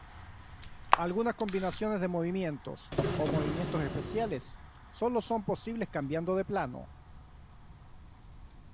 Algunas combinaciones de movimientos o movimientos especiales solo son posibles cambiando de plano.